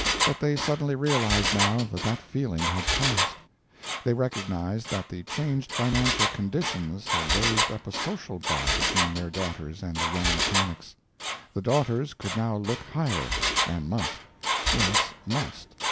But they suddenly realized now that that feeling had passed. They recognized that the changed financial conditions had raised up a social bar between their daughters and the young mechanics. The daughters could now look higher and must. Yes, must.